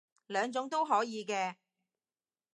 兩種都可以嘅